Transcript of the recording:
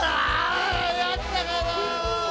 やったがな！